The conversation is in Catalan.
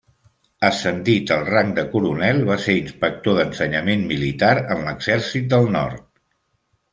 Ascendit al rang de coronel va ser Inspector d'Ensenyament Militar en l'Exèrcit del Nord.